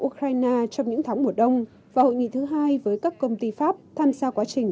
ukraine trong những tháng mùa đông và hội nghị thứ hai với các công ty pháp tham gia quá trình